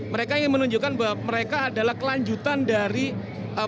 mereka ingin menunjukkan bahwa mereka adalah kelanjutan dari pemerintah